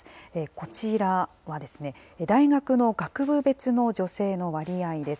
こちらは、大学の学部別の女性の割合です。